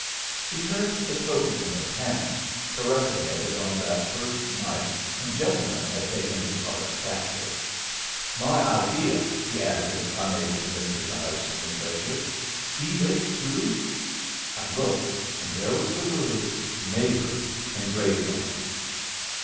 He turned the token in his hand, caressing it as on that first night when Jessamine had taken his heart captive. "My idea," he added, unable to lift his eyes from the treasure. "See this, too." I looked, and there was the word "Neighbor" engraved on it.